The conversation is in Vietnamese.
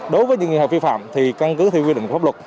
đối với những nghệ hợp phi phạm thì căn cứ theo quy định pháp luật